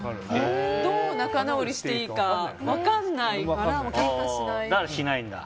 どう仲直りしていいか分かんないからけんかしない。